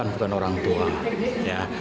bukan orang tua